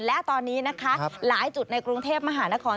และตอนนี้นะคะหลายจุดในกรุงเทพมหานคร